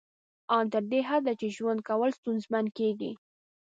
ان تر دې حده چې ژوند کول ستونزمن کیږي